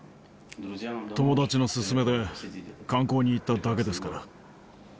友達の勧めで観光に行っただけですから。